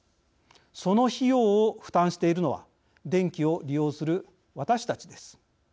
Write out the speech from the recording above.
その費用を負担しているのは電気を利用する私たちです。